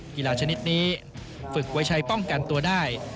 กีฬาชนิดนี้ฝึกไว้ใช้ป้องกันตัวได้